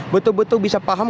betul betul bisa paham